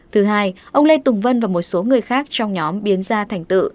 thứ hai ông lê tùng vân và một số người khác trong nhóm biến gia thành tự